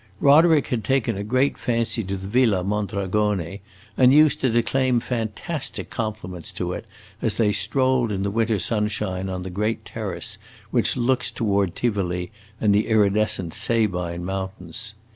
Roderick had taken a great fancy to the Villa Mondragone, and used to declaim fantastic compliments to it as they strolled in the winter sunshine on the great terrace which looks toward Tivoli and the iridescent Sabine mountains.